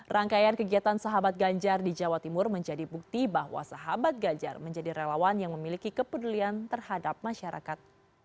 rangkaian kegiatan sahabat ganjar di jawa timur menjadi bukti bahwa sahabat ganjar menjadi relawan yang memiliki kepedulian terhadap masyarakat